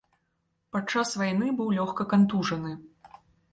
Падчас вайны быў лёгка кантужаны.